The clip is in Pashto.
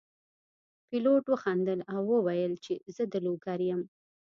پیلوټ وخندل او وویل چې زه د لوګر یم.